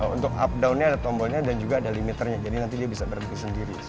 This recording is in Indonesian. untuk up down nya ada tombolnya dan juga ada limiternya jadi nanti dia bisa berdiri sendiri